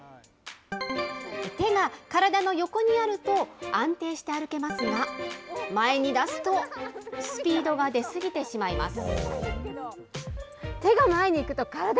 手が体の横にあると安定して歩けますが、前に出すと、スピードが出過ぎてしまいます。